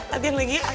latihan lagi ya